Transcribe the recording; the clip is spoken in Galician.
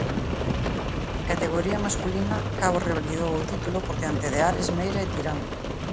En categoría masculina, Cabo revalidou o título, por diante de Ares, Meira e Tirán.